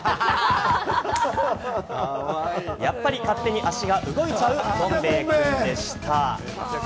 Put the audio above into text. やっぱり勝手に足が動いちゃうどん兵衛くんでした。